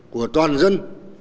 của toàn dân